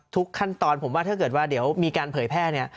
ทุกขั้นตอนผมว่าถ้าเกิดว่าเดี๋ยวมีการเผยแพร่เนี่ย